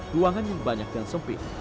ruangan yang banyak dan sempit